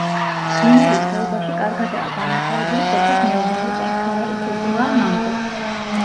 მდინარის ხეობაში კარგადაა განვითარებული სოფლის მეურნეობა, მთავარი კულტურაა მანგო.